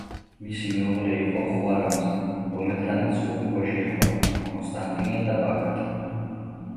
მისი მეუღლე იყო ხვარამზე, რომელთანაც ორი ვაჟი ეყოლა: კონსტანტინე და ბაგრატი.